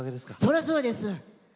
それはそうです。